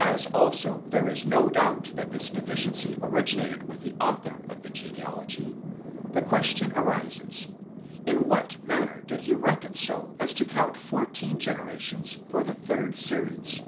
As also there is no doubt that this deficiency originated with the author of the genealogy, the question arises: in what manner did he reckon : so as to count fourteen generations for his third series?